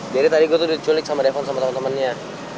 jadi tadi gue tuh diculik sama depon sama temen temennya